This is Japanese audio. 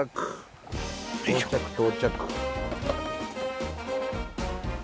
到着到着。